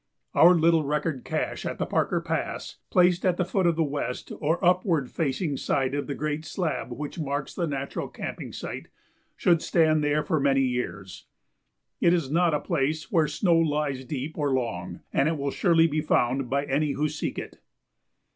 Our little record cache at the Parker Pass, placed at the foot of the west or upward facing side of the great slab which marks the natural camping site, should stand there for many years. It is not a place where snow lies deep or long, and it will surely be found by any who seek it.